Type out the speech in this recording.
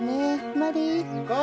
マリー。